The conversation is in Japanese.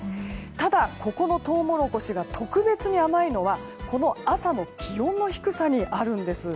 ただ、ここのトウモロコシが特別に甘いのはこの朝の気温の低さにあるんです。